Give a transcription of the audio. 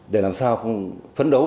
để làm sao phấn đấu